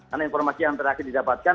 karena informasi yang terakhir didapatkan